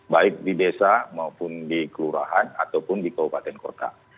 baik di desa maupun di kelurahan ataupun di kabupaten kota